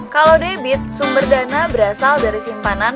kalau debit sumber dana berasal dari simpanan